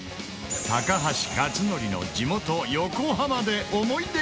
高橋克典の地元横浜で思い出グルメ旅